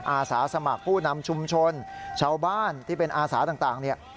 อาสาสมัครผู้นำชุมชนชาวบ้านที่เป็นอาสาต่างเนี่ย